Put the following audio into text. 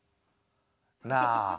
なあ。